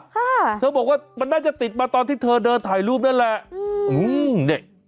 เธอบอกว่ามันน่าจะติดมาตอนที่เธอเดินถ่ายรูปนั่นแหละอืมเนี่ย